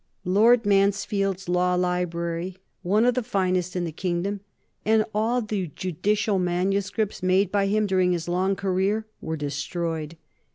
Lord Mansfield's law library, one of the finest in the kingdom, and all the judicial manuscripts made by him during his long career, were destroyed.